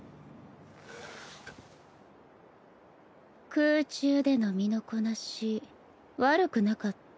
空中での身のこなし悪くなかった。